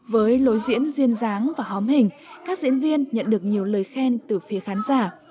với lối diễn duyên dáng và hóm hình các diễn viên nhận được nhiều lời khen từ phía khán giả